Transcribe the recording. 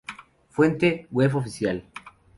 Fuente: web oficial.